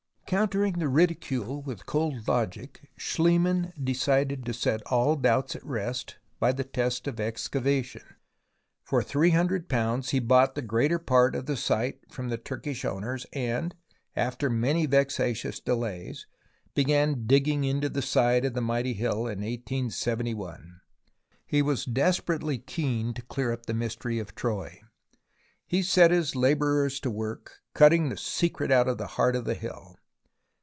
Countering the ridicule with cold logic, Schlie mann decided to set all doubts at rest by the test of excavation. For £300 he bought the greater part of the site from the Turkish owners and, after many vexatious delays, began digging into the side of the mighty hill in 1871. He was desperately keen to clear up the mystery of Troy. He set his labourers to work, cutting the secret out of the heart of the hill.